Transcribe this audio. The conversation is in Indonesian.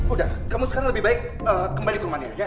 udah kamu sekarang lebih baik kembali ke rumania ya